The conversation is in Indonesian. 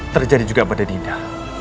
terjadi juga pada dinda